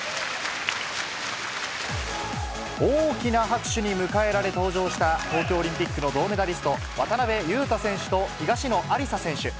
大きな拍手に迎えられ登場した、東京オリンピックの銅メダリスト、渡辺勇大選手と東野有紗選手。